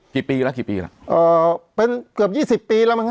กี่ปีละละเอ่อเป็นเกือบ๒๐ปีแล้วมั้งฮะ